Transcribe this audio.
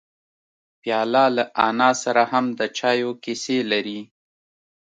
پیاله له انا سره هم د چایو کیسې لري.